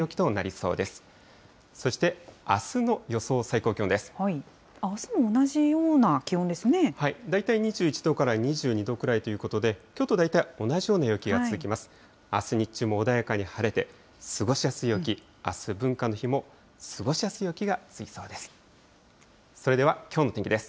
あす日中も穏やかに晴れて、過ごしやすい陽気、あす文化の日も過ごしやすい陽気が続きそうです。